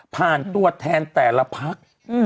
ผ่านตัวแทนแต่ละภักดิ์